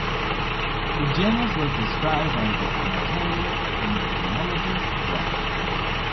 The genus was described by the amateur entomologist Rev.